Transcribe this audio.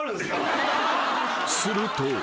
［すると］